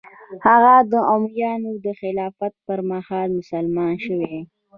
هغه د امویانو د خلافت پر مهال مسلمان شوی.